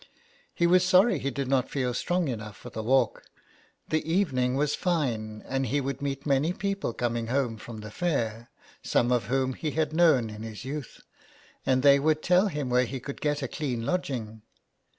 He was sorry he did not feel strong enough for the walk ; the evening was fine, and he would meet many people coming home from the fair, some of whom he had known in his youth, and they would tell him where he could get a clean lodging.